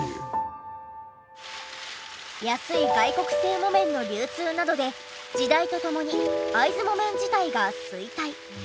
安い外国製木綿の流通などで時代とともに会津木綿自体が衰退。